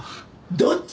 どっち！？